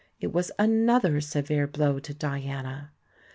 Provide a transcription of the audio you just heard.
It was another severe blow to Diana.